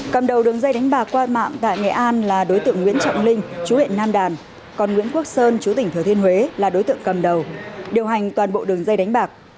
cầm đầu đường dây đánh bạc qua mạng tại nghệ an là đối tượng nguyễn trọng linh chú huyện nam đàn còn nguyễn quốc sơn chú tỉnh thừa thiên huế là đối tượng cầm đầu điều hành toàn bộ đường dây đánh bạc